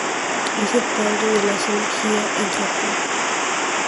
Es el "Padre de la zoología" en Japón.